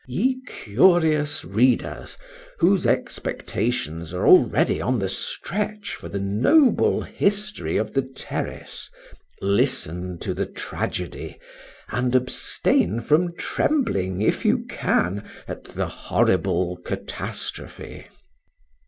Ye curious readers, whose expectations are already on the stretch for the noble history of the terrace, listen to the tragedy, and abstain from trembling, if you can, at the horrible catastrophe!